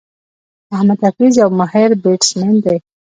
محمد حفيظ یو ماهر بيټسمېن دئ.